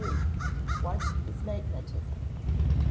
_What is magnetism?